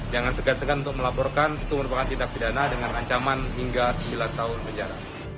jangan segan segan untuk melaporkan itu merupakan tindak pidana dengan ancaman hingga sembilan tahun penjara